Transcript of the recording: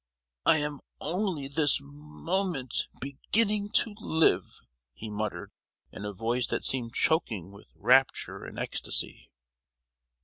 "I am only this mo—ment beginning to live," he mutterred, in a voice that seemed choking with rapture and ecstasy.